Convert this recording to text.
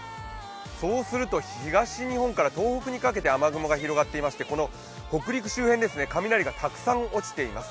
そうすると東日本から東北にかけて雨雲が広がっておりまして、この北陸周辺、雷がたくさん落ちています。